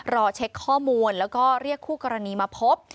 รอเช็คข้อมูลแล้วก็เรียกคู่กรณีมาพบ